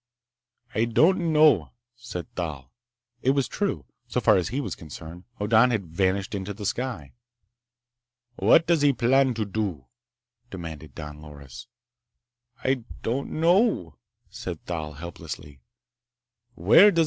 "I don't know," said Thal. It was true. So far as he was concerned, Hoddan had vanished into the sky. "What does he plan to do?" demanded Don Loris. "I don't know," said Thal helplessly. "Where does that